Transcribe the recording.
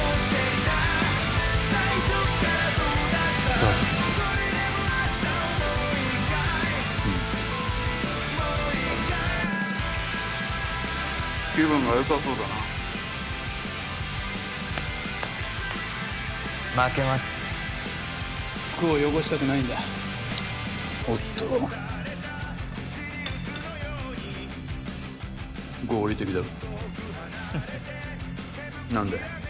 どうぞ気分がよさそうだな負けます服を汚したくないんだおっと合理的だろ何だ？